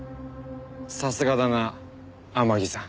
さすがだな天樹さん。